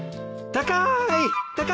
高い！